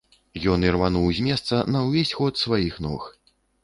Ён ірвануў з месца на ўвесь ход сваіх ног.